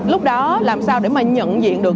lúc đó làm sao để mà nhận diện được